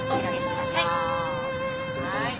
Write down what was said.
はい。